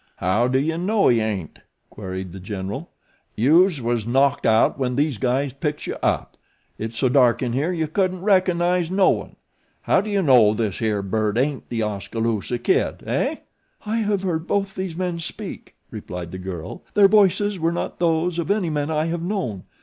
"How do you know he ain't?" queried The General. "Youse was knocked out when these guys picks you up. It's so dark in here you couldn't reco'nize no one. How do you know this here bird ain't The Oskaloosa Kid, eh?" "I have heard both these men speak," replied the girl; "their voices were not those of any men I have known.